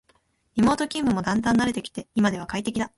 リモート勤務もだんだん慣れてきて今では快適だ